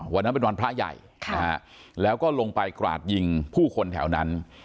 วันนั้นเป็นวันพระใหญ่แล้วก็ลงไปกราดยิงผู้คนแถวนั้น